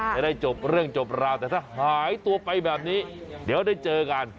จะได้จบเรื่องจบราวแต่ถ้าหายตัวไปแบบนี้เดี๋ยวได้เจอกัน